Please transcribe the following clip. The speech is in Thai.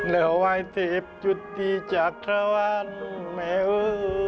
แล้วไหว้เสพจุฏิจากทะวันแม่เอ้อ